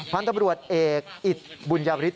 ความตำรวจเอกอิทธิ์บุญยาวริทธิ์